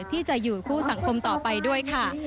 ที่จะอยู่คู่สังคมต่อไปด้วยค่ะ